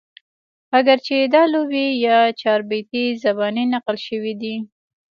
اګر چې دا لوبې يا چاربيتې زباني نقل شوي دي